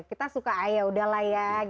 kita suka ayah udahlah ya gitu